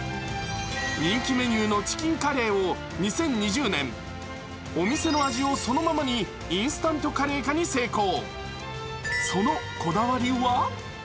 人気メニューのチキンカリーを２０２０年、お店の味をそのままにインスタントカレー化に成功。